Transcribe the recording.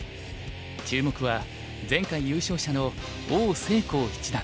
注目は前回優勝者の王星昊七段。